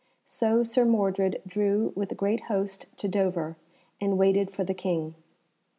So Sir Mordred drew with a great host to Dover, and waited for the King.